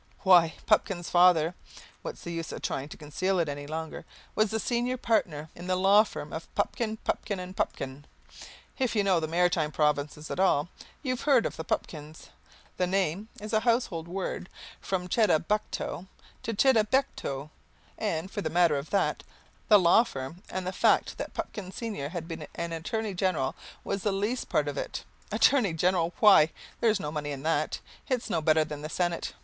Why, Pupkin's father, what's the use of trying to conceal it any longer? was the senior partner in the law firm of Pupkin, Pupkin and Pupkin. If you know the Maritime Provinces at all, you've heard of the Pupkins. The name is a household word from Chedabucto to Chidabecto. And, for the matter of that, the law firm and the fact that Pupkin senior had been an Attorney General was the least part of it. Attorney General! Why, there's no money in that! It's no better than the Senate.